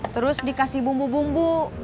terus dikasih bumbu bumbu